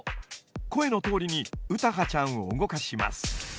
声のとおりに詩羽ちゃんを動かします。